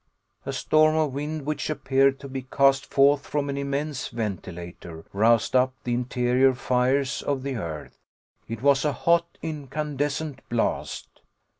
A storm of wind which appeared to be cast forth from an immense ventilator roused up the interior fires of the earth. It was a hot, incandescent blast!